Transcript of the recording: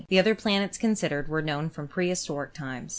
The other planets considered were known from pre historic times.